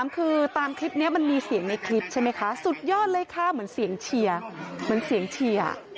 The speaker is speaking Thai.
คือตามคลิปนี้มันมีเสียงในคลิปใช่ไหมคะสุดยอดเลยค่ะเหมือนเสียงเชียร์เหมือนเสียงเชียร์